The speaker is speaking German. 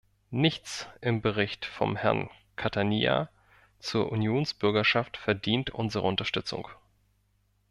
Nichts im Bericht von Herrn Catania zur Unionsbürgerschaft verdient unsere Unterstützung.